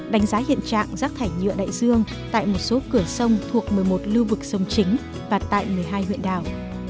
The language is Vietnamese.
đánh giá hiện trạng rác thải nhựa đại dương tại một số cửa sông thuộc một mươi một lưu vực sông chính và tại một mươi hai huyện đảo